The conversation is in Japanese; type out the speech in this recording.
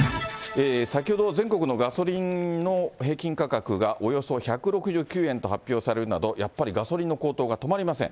先ほど、全国のガソリンの平均価格がおよそ１６９円と発表されるなど、やっぱりガソリンの高騰が止まりません。